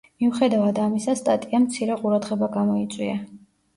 მიუხედავად ამისა სტატიამ მცირე ყურადღება გამოიწვია.